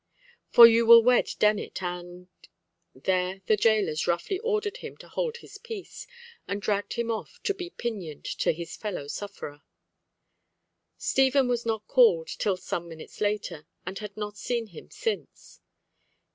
"For you will wed Dennet, and—" There the jailers roughly ordered him to hold his peace, and dragged him off to be pinioned to his fellow sufferer. Stephen was not called till some minutes later, and had not seen him since.